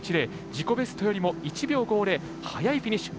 自己ベストよりも１秒５０早いフィニッシュ。